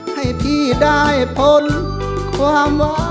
ให้พี่ได้พลวงขอความเมตตาสักคน